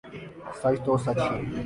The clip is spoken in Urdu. سچ تو سچ ہی